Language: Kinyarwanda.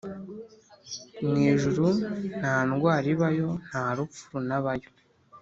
Mu ijuru ntandwara ibayo nta rupfu runabayo